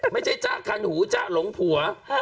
ไม่ใช่จ๊ะคันหูจ๊ะหลงผัว